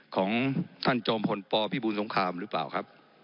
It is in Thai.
ของท่านจอมพลปพิบูรสงครามหรือเปล่าครับ